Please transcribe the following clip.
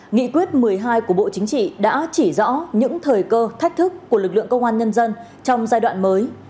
nghị quyết một mươi hai của bộ chính trị đã chỉ rõ những thời cơ thách thức của lực lượng công an nhân dân trong giai đoạn mới